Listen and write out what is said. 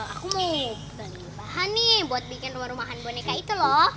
aku ingin beli bahan nih buat bikin rumah rumahan boneka itu loh